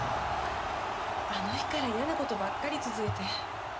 あの日から嫌な事ばっかり続いて。